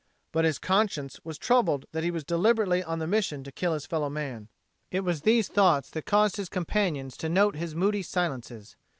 But his conscience was troubled that he was deliberately on the mission to kill his fellow man. It was these thoughts that caused his companions to note his moody silences.